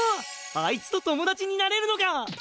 あいつと友達になれるのか！